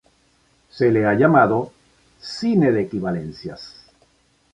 Se le ha llamado "cine de equivalencias".